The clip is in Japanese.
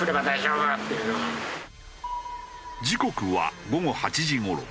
時刻は午後８時頃。